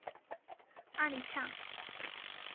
阿里恰。